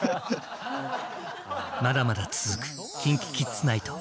まだまだ続く「ＫｉｎＫｉＫｉｄｓナイト！」。